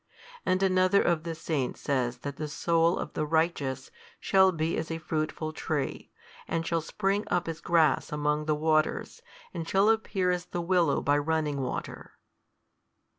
And another of the Saints says that the soul of the righteous shall be as a fruitful tree, and shall spring up as grass among the waters, and shall appear as the willow by running water.